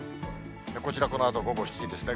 こちら、このあと午後７時ですね。